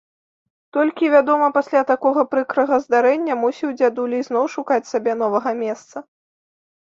Толькі, вядома, пасля такога прыкрага здарэння мусіў дзядуля ізноў шукаць сабе новага месца.